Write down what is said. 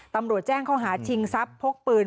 ตำรวจแจ้งเขาหาชิงซับพกปืน